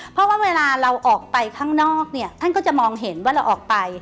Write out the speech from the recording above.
เพราะว่าเวลาเราออกไปข้างนอกเนี่ยท่านก็จะมองเห็นว่าเราออกไป